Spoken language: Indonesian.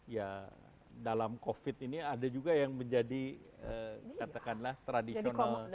ya dalam covid ini ada juga yang menjadi katakanlah tradisional